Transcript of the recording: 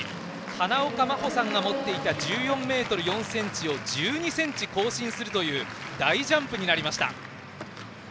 花岡麻帆さんが持っていた１４ｍ４ｃｍを１２ｃｍ更新するという大ジャンプになりました。